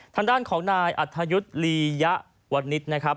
ทางด้านของนายอัธยุทธ์ลียะวันนิษฐ์นะครับ